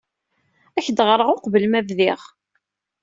Ad ak-d-ɣreɣ uqbel ma bdiɣ.